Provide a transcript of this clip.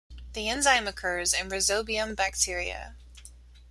The enzyme occurs in "Rhizobium" bacteria.